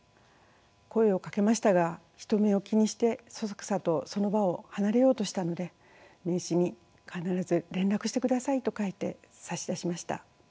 声をかけましたが人目を気にしてそそくさとその場を離れようとしたので名刺に「必ず連絡してください」と書いて差し出しました。